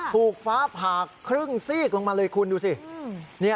ถูกฟ้าผ่าครึ่งซีกลงมาเลยคุณดูสิ